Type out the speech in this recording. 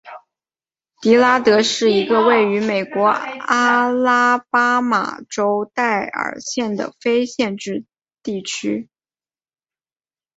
迪拉德是一个位于美国阿拉巴马州戴尔县的非建制地区。